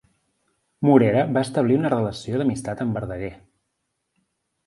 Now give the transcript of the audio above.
Morera va establir una relació d'amistat amb Verdaguer.